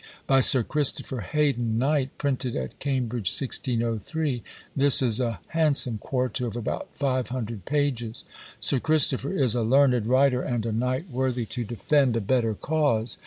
By Sir Christopher Heydon, Knight; printed at Cambridge, 1603." This is a handsome quarto of about 500 pages. Sir Christopher is a learned writer, and a knight worthy to defend a better cause.